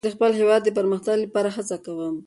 زه د خپل هېواد د پرمختګ لپاره هڅه کوم.